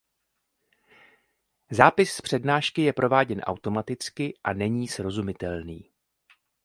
Zápis z přednášky je prováděn automaticky a není srozumitelný.